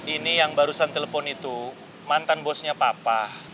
ini yang barusan telepon itu mantan bosnya papa